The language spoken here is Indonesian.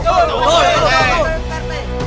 tuh tuh pak rt